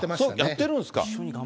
やってるんですか。